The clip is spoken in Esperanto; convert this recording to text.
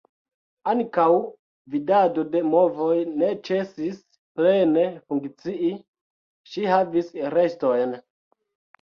Ankaŭ vidado de movoj ne ĉesis plene funkcii, ŝi havis restojn.